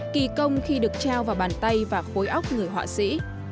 kỳ công khi được trao vào bàn tay và khối óc người họa sĩ